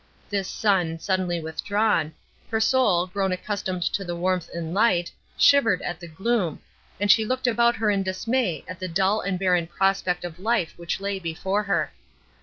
This sun, suddenly withdrawn, her soul, grown accustomed to the warmth and light, shivered at the gloom, and she looked about her in dismay at the dull and barren prospect of life which lay before her.